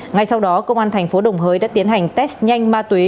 ngay sau đó công an thành phố đồng hới đã tiến hành test nhanh ma túy